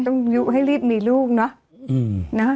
ต้องให้รีบมีลูกเนอะ